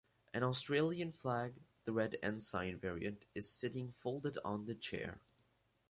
An Australian flag (the Red Ensign variant) is sitting folded on the chair.